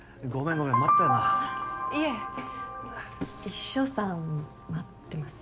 秘書さん待ってます？